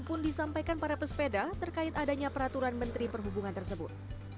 pun disampaikan para pesepeda terkait adanya peraturan menteri perhubungan tersebut